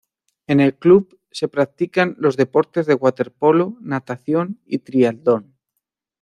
En el club se practican los deportes de waterpolo, natación y triatlón.